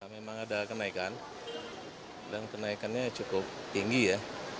memang ada kenaikan dan kenaikannya cukup tinggi ya